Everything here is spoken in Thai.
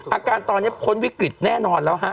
อาการตอนนี้พ้นวิกฤตแน่นอนแล้วฮะ